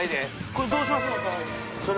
これどうしますの？